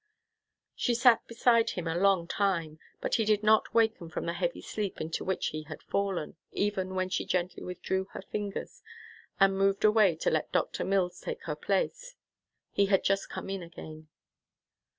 She sat beside him a long time, but he did not waken from the heavy sleep into which he had fallen, even when she gently withdrew her fingers, and moved away to let Dr. Mills take her place. He had just come in again.